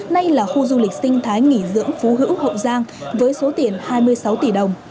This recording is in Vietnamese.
nay là khu du lịch sinh thái nghỉ dưỡng phú hữu hậu giang với số tiền hai mươi sáu tỷ đồng